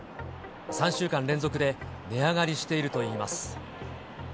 ３週間連続で値上がりしているといいます。